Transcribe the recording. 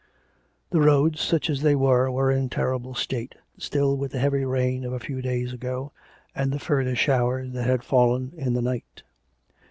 The roads, such as they were, were in a terrible state still with the heavy rain of a few days ago, and the further showers that had fallen in the night.